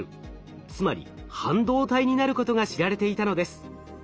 つまり半導体になることが知られていたのです。